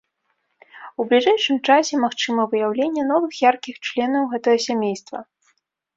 У бліжэйшым часе магчыма выяўленне новых яркіх членаў гэтага сямейства.